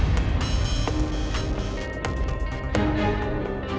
aku mau ke rumah